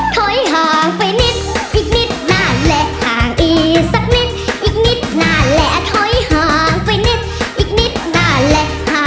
ถอยห่างไปนิดอีกนิดน่าแหละห่างอีกสักนิดอีกนิดน่าแหละ